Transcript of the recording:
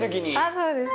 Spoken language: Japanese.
そうです。